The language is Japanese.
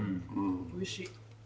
おいしい。